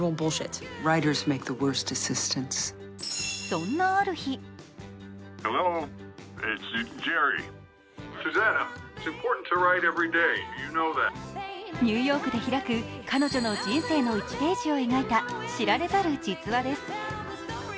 そんなある日ニューヨークで開く、彼女の人生の１ページを描いた知られざる実話です。